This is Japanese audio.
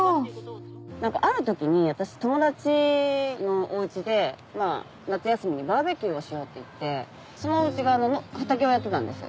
あるときに私友達のおうちで夏休みにバーベキューをしようって言ってそのおうちが畑をやってたんです。